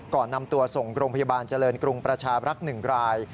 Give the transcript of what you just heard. ก่อนนำตัวส่งโรงพยาบาลเจริญกรุงประชาบรักษ์๑ราย